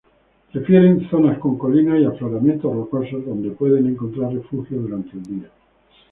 Prefieren zonas con colinas y afloramientos rocosos donde pueden encontrar refugio durante el día.